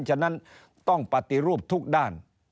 ฉะนั้นต้องปฏิรูปทุกด้าน